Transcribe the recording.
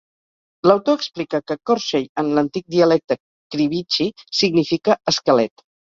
L'autor explica que Koshchei-en l'antic dialecte Krivichi-significa "esquelet".